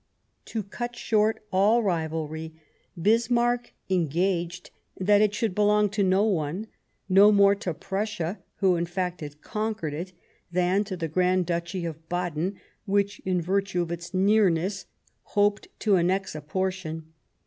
To cut short all rivalr}', Bismarck engaged that it should belong to no one, no more to Prussia, who, in fact, had conquered it, than to the Grand Duchy of Baden which, in virtue of its nearness, hoped to annex a portion.